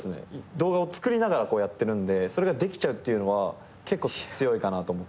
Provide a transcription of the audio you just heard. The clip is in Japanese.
動画を作りながらやってるんでそれができちゃうっていうのは結構強いかなと思ってて。